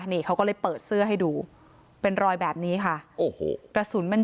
นี่เขาก็เลยเปิดเสื้อให้ดูเป็นรอยแบบนี้ค่ะโอ้โหกระสุนมัน